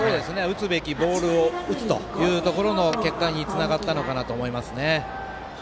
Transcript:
打つべきボールを打つという結果につながったのかなと思います。